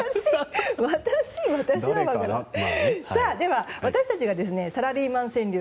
では私たちがサラリーマン川柳